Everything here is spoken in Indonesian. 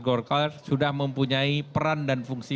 golkar sudah mempunyai peran dan fungsi